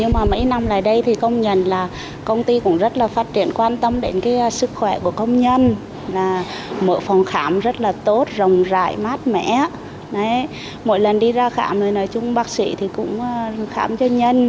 mỗi lần đi ra khám bác sĩ cũng khám cho nhân tạo điều kiện cho nhân được về để sửa để tiếp tục làm cho nhanh